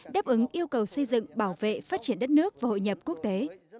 đáp ứng yêu cầu xây dựng bảo vệ phát triển đất nước và hội nhập quốc tế